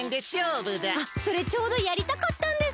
あっそれちょうどやりたかったんです！